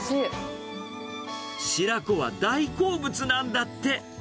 白子は大好物なんだって。